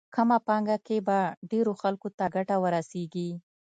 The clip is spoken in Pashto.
کمه پانګه کې به ډېرو خلکو ته ګټه ورسېږي.